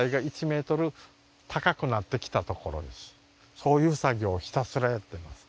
そういう作業をひたすらやってます